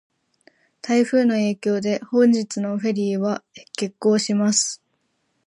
台風の影響で、本日のフェリーは欠航します。